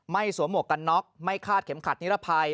สวมหมวกกันน็อกไม่คาดเข็มขัดนิรภัย